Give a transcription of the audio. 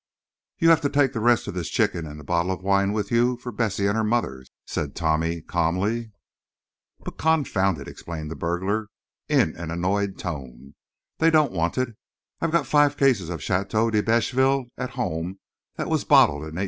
"You have to take the rest of this chicken and the bottle of wine with you for Bessie and her mother," said Tommy, calmly. "But confound it," exclaimed the burglar, in an annoyed tone, "they don't want it. I've got five cases of Château de Beychsvelle at home that was bottled in 1853.